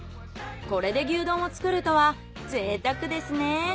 これで牛丼を作るとはぜいたくですね。